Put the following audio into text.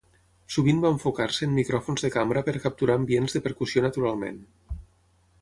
Sovint va enfocar-se en micròfons de cambra per capturar ambients de percussió naturalment.